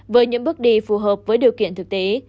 với những bước đi phù hợp với điều kiện thực tế